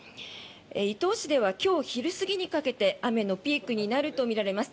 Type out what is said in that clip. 伊東市では今日昼過ぎにかけて雨のピークになるとみられます。